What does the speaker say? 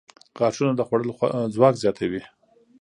• غاښونه د خوړلو ځواک زیاتوي.